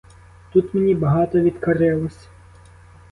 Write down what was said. Тут мені багато відкрилось.